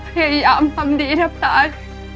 พี่อ๊ามทำดีเท่าตาย